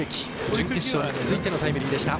準決勝に続いてのタイムリーでした。